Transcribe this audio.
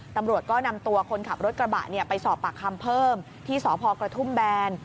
ตำรวจก็นำตัวคนขับรถกระบะไปสอบปากคำเพิ่มที่สพกระทุ่มแบน